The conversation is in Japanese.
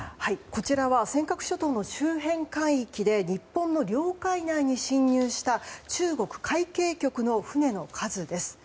こちらは尖閣諸島の周辺海域で日本の領海内に侵入した中国海警局の船の数です。